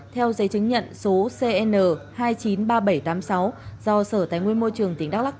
theo giấy chứng nhận số cn hai trăm chín mươi ba nghìn bảy trăm tám mươi sáu